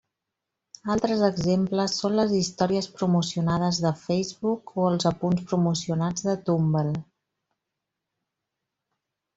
Altres exemples són les històries promocionades de Facebook o els apunts promocionats de Tumblr.